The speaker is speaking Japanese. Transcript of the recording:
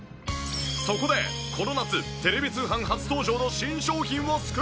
そこでこの夏テレビ通販初登場の新商品をスクープ！